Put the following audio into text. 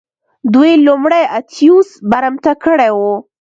دوی لومړی اتیوس برمته کړی و